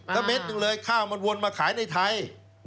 ถ้าเม็ดหนึ่งเลยข้าวมันวนมาขายในไทย